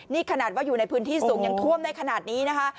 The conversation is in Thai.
นี่ขนาดว่าอยู่ในพื้นที่สูงยังท่วมได้ขนาดนี้นะคะ